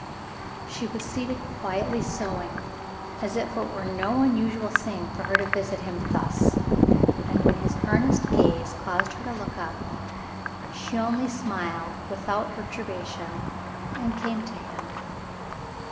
She was seated quietly sewing, as if it were no unusual thing for her to visit him thus, and when his earnest gaze caused her to look up, she only smiled without pertur bation and came to him.